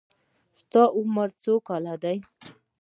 ستاسو عمر څو کاله دی؟